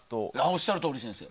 おっしゃるとおり。